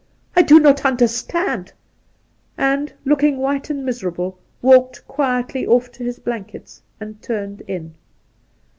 I do not understand,' and, looking white and miserable, walked quietly off to his blankets and turned in.